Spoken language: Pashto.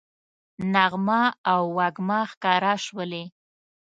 نغمه او وږمه ښکاره شولې